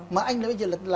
mà anh bây giờ là